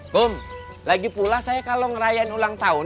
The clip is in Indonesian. bom lagi pula saya kalau ngerayain ulang tahun